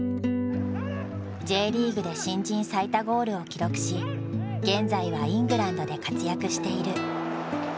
Ｊリーグで新人最多ゴールを記録し現在はイングランドで活躍している。